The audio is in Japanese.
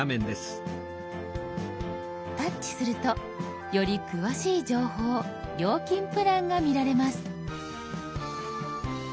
タッチするとより詳しい情報料金プランが見られます。